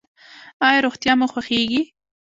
ایا روغتیا مو خوښیږي؟